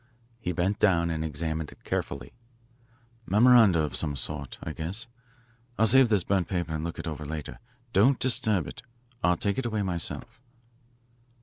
He bent down and examined it carefully. "Memoranda of some kind, I guess. I'll save this burnt paper and look it over later. Don't disturb it. I'll take it away myself."